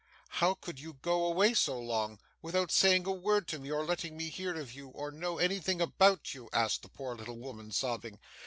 'How could you go away so long, without saying a word to me or letting me hear of you or know anything about you?' asked the poor little woman, sobbing.